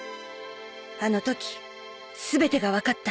あのとき全てが分かった。